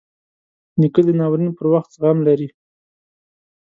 نیکه د ناورین پر وخت زغم لري.